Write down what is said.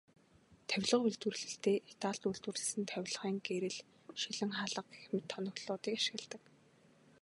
Тавилга үйлдвэрлэлдээ Италид үйлдвэрлэсэн тавилгын гэрэл, шилэн хаалга гэх мэт тоноглолуудыг ашигладаг.